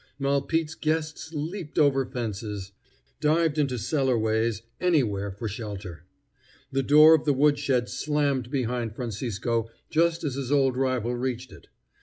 Malpete's guests leaped over fences, dived into cellarways, anywhere for shelter. The door of the woodshed slammed behind Francisco just as his old rival reached it.